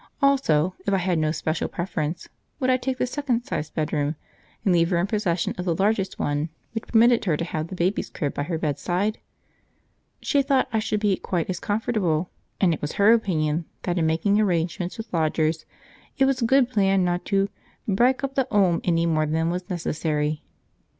also, if I had no special preference, would I take the second sized bedroom and leave her in possession of the largest one, which permitted her to have the baby's crib by her bedside? She thought I should be quite as comfortable, and it was her opinion that in making arrangements with lodgers, it was a good plan not to "bryke up the 'ome any more than was necessary."